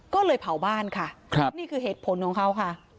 ก็เลยเผาบ้านค่ะนี่คือเหตุผลของเขาค่ะ